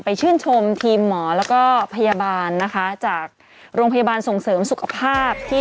ชื่นชมทีมหมอแล้วก็พยาบาลนะคะจากโรงพยาบาลส่งเสริมสุขภาพที่